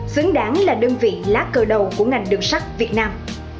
xứng đáng là đơn vị lá cơ đầu của ngành đường sắt việt nam